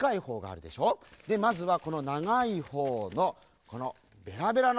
でまずはこのながいほうのこのベラベラのほう。